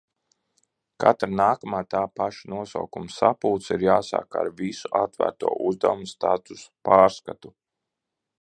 Katra nākamā tā paša nosaukuma sapulce ir jāsāk ar visu atvērto uzdevumu statusu pārskatu.